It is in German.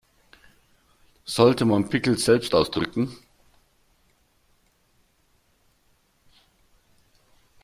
Sollte man Pickel selbst ausdrücken?